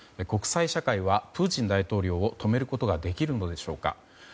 国際社会はプーチン大統領を止めることはできるのでしょうか。